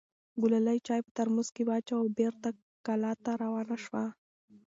ګلالۍ چای په ترموز کې واچوه او بېرته کلا ته روانه شوه.